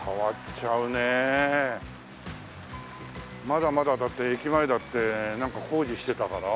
まだまだだって駅前だってなんか工事してたから。